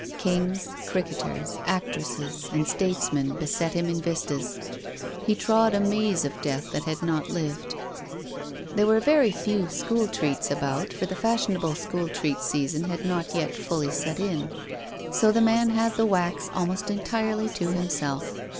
Kings, cricketers, actresses, and statesmen beset him in vistas. He trod a maze of death that had not lived. There were very few school treats about, for the fashionable "WILLIAM FOSTER." II3 school treat season had not yet fully set in. So the man had the wax almost entirely to himself.